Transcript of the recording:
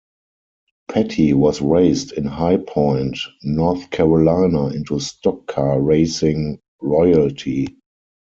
Petty was raised in High Point, North Carolina into stock car racing "royalty".